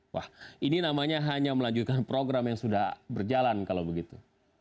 wah ini namanya hanya melanjutkan program yang sudah berjalan kalau begitu